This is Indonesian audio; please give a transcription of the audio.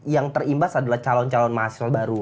yang terimbas adalah calon calon mahasiswa baru